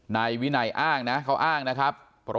นายวินัยอ้างนะเขาอ้างนะครับ